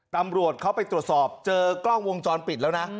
ตำรวจเขาไปตรวจสอบเจอกล้องวงจรปิดแล้วนะ